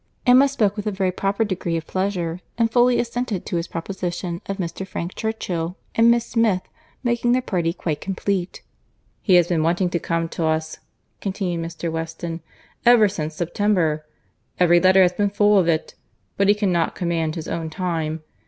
Emma spoke with a very proper degree of pleasure; and fully assented to his proposition of Mr. Frank Churchill and Miss Smith making their party quite complete. "He has been wanting to come to us," continued Mr. Weston, "ever since September: every letter has been full of it; but he cannot command his own time.